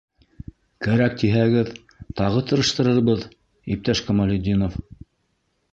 Кәрәк тиһәгеҙ... тағы тырыштырырбыҙ, иптәш Камалетдинов.